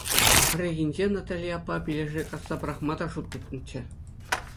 Пӗррехинче Натали аппа пилеше касса пӑрахма та шут тытнӑччӗ.